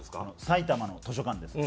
埼玉の図書館です。